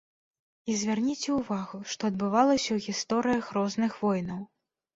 І звярніце ўвагу, што адбывалася ў гісторыях розных войнаў.